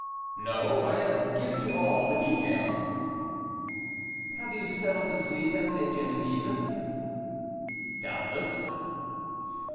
"No, I have given you all the details." "Have you settled to sleep at St. Genevieve?" "Doubtless."